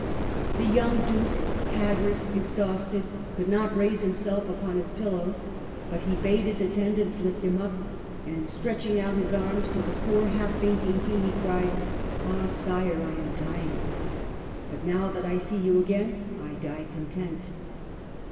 The young Duke, haggard, exhausted, could not raise himself upon his pillows ; but he bade his attendants lift him up, and stretching out his arms to the poor, half fainting King, he cried, '' Ah, Sire, I am dying ! But now that I see you again, I die content."